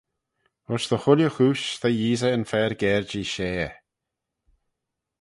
Ayns dy chooilley chooish ta Yeesey yn fer gerjee share.